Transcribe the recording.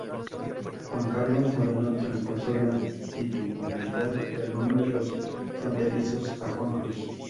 Juan Carlos Moreno traspasó la titularidad del nombre "Los Fronterizos" a Juan Cruz.